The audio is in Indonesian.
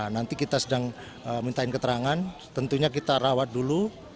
nanti kita sedang mintain keterangan tentunya kita rawat dulu